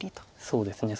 そうですね。